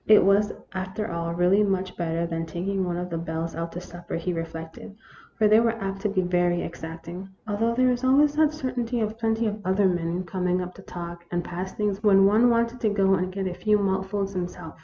It was, after all, really much better than taking one of the belles out to supper, he reflected, for they were apt to be very exacting, although there was always that cer tainty of plenty of other men coming up to talk and THE ROMANCE OF A SPOON. 185 pass things when one wanted to go and get a few mouthfuls himself.